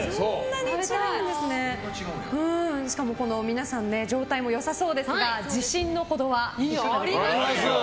しかも、皆さん状態も良さそうですが自信のほどはいかがですか？